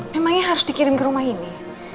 memangnya harus dikirim ke rumah ini